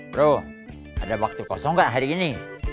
bro ada waktu kosong nggak hari ini